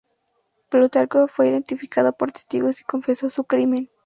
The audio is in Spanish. Plutarco fue identificado por testigos y confesó su crimen.